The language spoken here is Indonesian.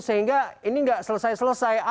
sehingga ini nggak selesai selesai